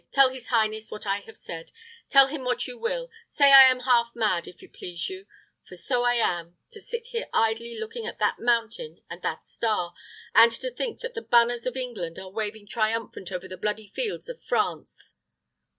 Tell his highness what I have said tell him what you will say I am half mad, if it please you; for so I am, to sit here idly looking at that mountain and that star, and to think that the banners of England are waving triumphant over the bloody fields of France.